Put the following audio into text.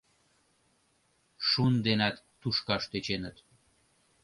Шун денат тушкаш тӧченыт.